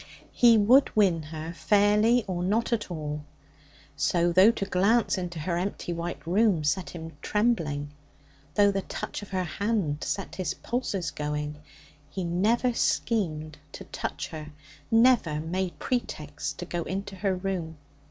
He would win her fairly or not at all. So, though to glance into her empty white room set him trembling, though the touch of her hand set his pulses going, he never schemed to touch her, never made pretexts to go into her room.